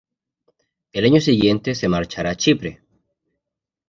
Al año siguiente se marcha a Chipre.